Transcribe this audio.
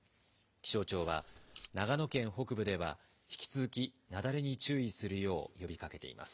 気象庁は、長野県北部では引き続き雪崩に注意するよう呼びかけています。